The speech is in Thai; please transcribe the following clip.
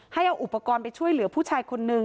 ให้เอาอุปกรณ์ไปช่วยเหลือผู้ชายคนนึง